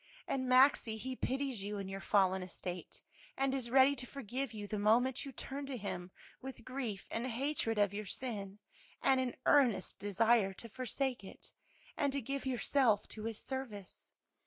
And, Maxie, He pities you in your fallen estate, and is ready to forgive you the moment you turn to Him with grief and hatred of your sin and an earnest desire to forsake it, and to give yourself to His service."